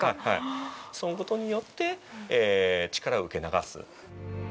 そのことによって力を受け流す。